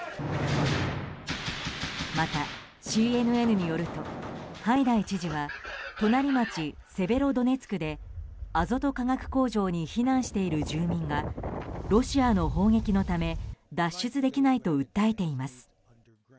また、ＣＮＮによるとハイダイ知事は隣町セベロドネツクでアゾト化学工場に避難している住民がロシアの砲撃のため脱出できないと訴えています。